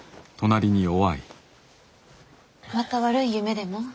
また悪い夢でも？